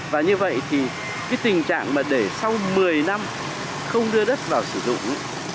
và như vậy thì cái tình trạng mà để sau một mươi năm không đưa đất vào sử dụng